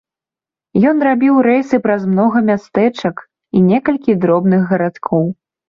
Ён рабіў рэйсы праз многа мястэчак і некалькі дробных гарадкоў.